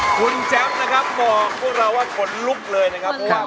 คุณแจ๊มนะครับมองพวกเราว่าขนลุกเลยนะครับ